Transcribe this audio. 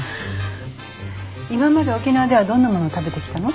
今まで沖縄ではどんなものを食べてきたの？